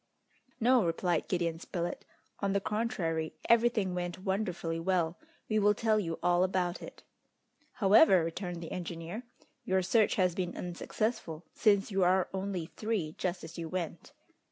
"No," replied Gideon Spilett; "on the contrary, everything went wonderfully well. We will tell you all about it." "However," returned the engineer, "your search has been unsuccessful, since you are only three just as you went!"